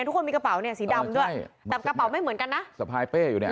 ทุกคนมีกระเป๋าเนี่ยสีดำด้วยแต่กระเป๋าไม่เหมือนกันนะสะพายเป้อยู่เนี่ย